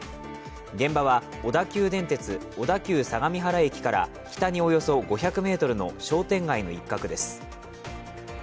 現場は小田急電鉄・小田急相模原駅から北におよそ５００ｍの商店街の一角です。